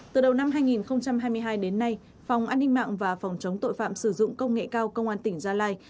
từ đầu năm hai nghìn hai mươi hai đến nay phòng an ninh mạng và phòng chống tội phạm sử dụng công nghệ cao công an tỉnh gia lai